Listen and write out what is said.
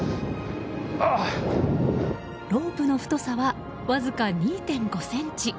ロープの太さはわずか２．５ｃｍ。